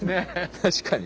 確かに。